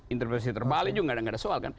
interpretasi terbalik juga gak ada soal